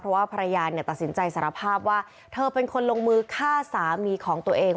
เพราะว่าภรรยาตัดสินใจสารภาพว่าเธอเป็นคนลงมือฆ่าสามีของตัวเอง